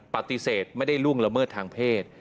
ปฏิเสธไม่ได้ล่วงละเมิดทางเพศ